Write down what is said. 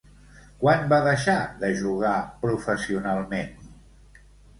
Quan va deixar de jugar professionalment?